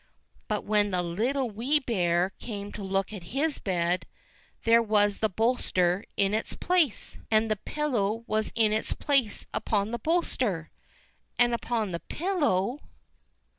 But when the Little Wee Bear came to look at his bed, there was the bolster in its place ! 23 24 ENGLISH FAIRY TALES And the pillow was in its place upon the bolster ! And upon the pillow